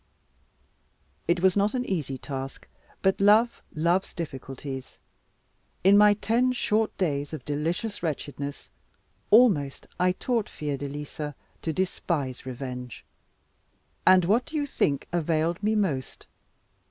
It was not an easy task; but love loves difficulties. In my ten short days of delicious wretchedness, almost I taught Fiordalisa to despise revenge. And what do you think availed me most?